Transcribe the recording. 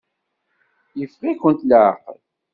Yeffeɣ-ikent leɛqel.